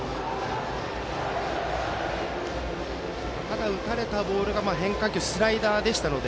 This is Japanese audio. ただ打たれたボールがスライダーでしたので。